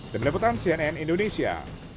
demi leputan cnn indonesia